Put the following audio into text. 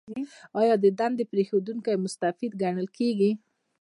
ایا د دندې پریښودونکی مستعفي ګڼل کیږي؟